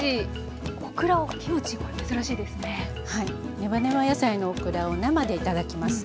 ネバネバ野菜のオクラを生で頂きます。